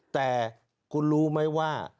แต่คุณรู้ไหมว่า